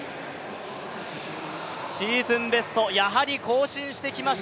シーズンベスト、やはり更新してきました